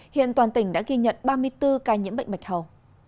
hiện toàn tỉnh đã ghi nhận ba mươi bốn ca nhiễm bệnh bạch hầu